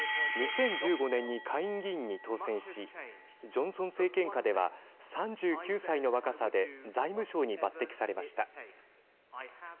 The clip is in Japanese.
２０１５年に下院議員に当選しジョンソン政権下では３９歳の若さで財務相に抜てきされました。